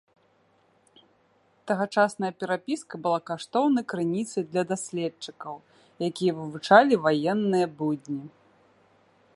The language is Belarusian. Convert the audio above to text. Тагачасная перапіска была каштоўнай крыніцай для даследчыкаў, якія вывучалі ваенныя будні.